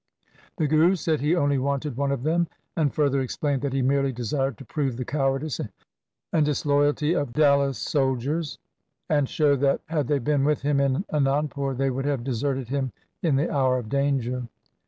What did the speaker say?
The Guru said he only wanted one of them, and further explained that he merely desired to prove the cowardice and disloyalty of Dalla's soldiers, and show that, had they been with him in Anandpur, they would have deserted him in the hour of danger.